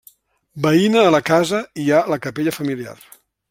Veïna a la casa hi ha la capella familiar.